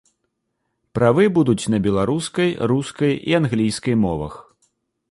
Правы будуць на беларускай, рускай і англійскай мовах.